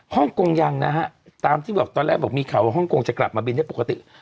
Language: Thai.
ฮ่องกงยังนะฮะตามที่บอกตอนแรกบอกมีข่าวว่าฮ่องกงจะกลับมาบินได้ปกติ